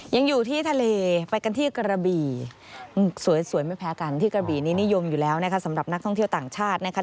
ยังอยู่ที่ทะเลไปกันที่กระบี่สวยไม่แพ้กันที่กระบี่นี้นิยมอยู่แล้วนะคะสำหรับนักท่องเที่ยวต่างชาตินะคะ